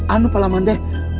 apa pak lamande